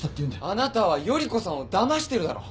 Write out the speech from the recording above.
あなたは依子さんをだましてるだろ。